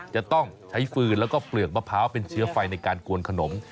จะต้องใช้ฟืนแล้วก็เปลือกมะพร้าวเป็นเชื้อไฟในการกวนขนม